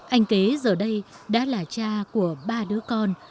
anh kế giờ đây đã là cha của ba đứa con